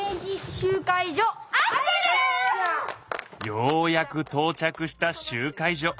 ようやくとう着した集会所。